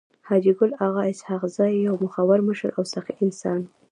حاجي ګل اغا اسحق زی يو مخور مشر او سخي انسان وو.